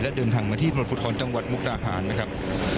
และเดินทางมาที่ตำรวจภูทรจังหวัดมุกดาหารนะครับ